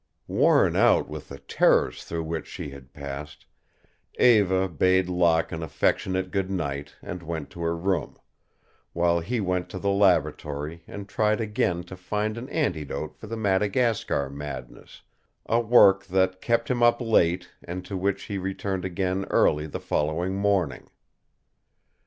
Worn out with the terrors through which she had passed, Eva bade Locke an affectionate good night and went to her room, while he went to the laboratory and tried again to find an antidote for the Madagascar madness, a work that kept him up late and to which he returned again early the following morning.